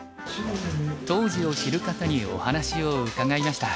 当時を知る方にお話を伺いました。